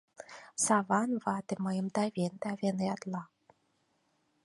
Саван вате мыйым тавен-тавен ятла.